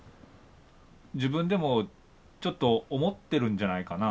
自分でもちょっと思ってるんじゃないかな？